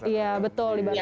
iya betul dibatasi